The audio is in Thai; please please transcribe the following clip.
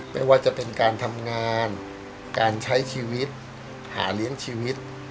ไม่ว่าจะเป็นการทำงานการใช้ชีวิตหาเลี้ยงชีวิต